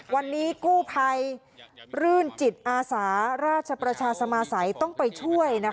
วันนี้กู้ภัยรื่นจิตอาสาราชประชาสมาสัยต้องไปช่วย